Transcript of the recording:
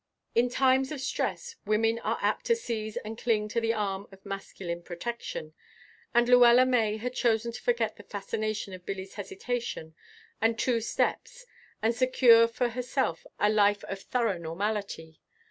In times of stress women are apt to seize and cling to the arm of masculine protection, and Luella May had chosen to forget the fascination of Billy's hesitation and two steps and secure for herself a life of thorough normality.